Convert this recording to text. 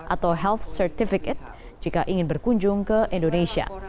atau health certificate jika ingin berkunjung ke indonesia